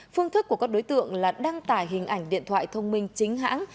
phương thức của các đối tượng là đăng tải hình ảnh điện thoại thông minh chính hãng